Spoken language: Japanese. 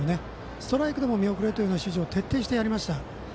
ストライクでも見送れという指示を徹底してやりました。